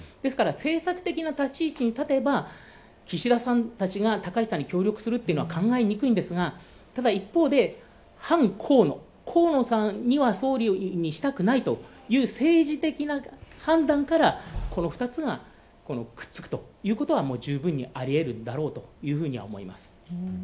ですから、政策的な立ち位置に立てば、岸田さんたちが高市さんとというのは考えにくいんですが、ただ、一方で反河野、河野さんには総理にしたくないという政治的な判断からこの２つがくっつくということが十分にありえるだろうというふうには思います。